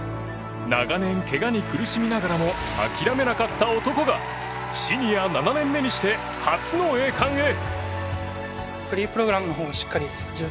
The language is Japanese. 長年、けがに苦しみながらも諦めなかった男がシニア７年目にして初の栄冠へ。